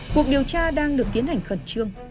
cuộc điều tra đang được tiến hành khẩn trương